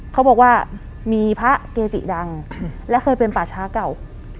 เขาบอกว่ามีพระเกจิดังและเคยเป็นป่าช้าเก่า